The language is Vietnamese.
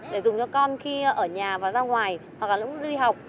để dùng cho con khi ở nhà và ra ngoài hoặc là lúc đi học